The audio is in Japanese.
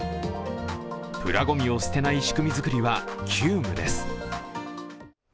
プラごみを捨てない仕組み作りは急務です。